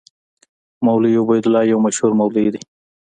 مولوي عبیدالله یو مشهور مولوي دی.